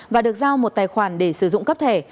và được giao một tài khoản để sử dụng cấp thẻ